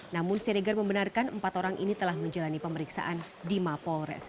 namun siregar membenarkan empat orang ini telah menjalani pemeriksaan di mapolres